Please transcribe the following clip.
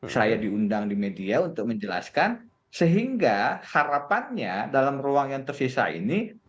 saya diundang di media untuk menjelaskan sehingga harapannya dalam ruang yang tersisa ini